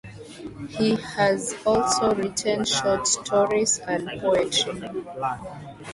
He has also written short stories and poetry.